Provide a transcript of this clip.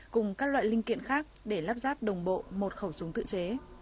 cùng các loại linh kiện khác để lắp ráp đồng bộ một khẩu súng tự chế